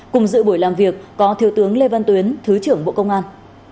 cùng dự buổi làm việc có thiếu tướng lê văn tuyến thứ trưởng bộ công an